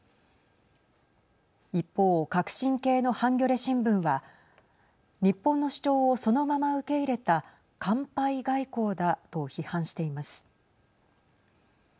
一方、革新系のハンギョレ新聞は日本の主張をそのまま受け入れた完敗外交だと批判しています。